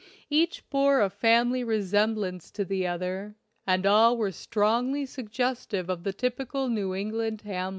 Each bore a family resemblance to the other, and all were strongly suggestive of the tyjrical New England hamlet.